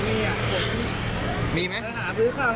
ฟังเสียงคนที่ไปรับของกันหน่อย